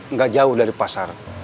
nggak jauh dari pasar